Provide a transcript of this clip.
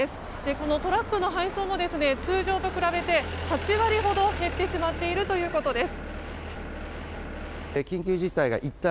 このトラックの配送も通常と比べて８割ほど減ってしまっているということです。